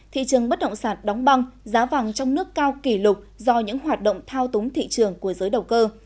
thị trường bất động sản đóng băng giá vàng trong nước cao kỷ lục do những hoạt động thao túng thị trường của giới đầu cơ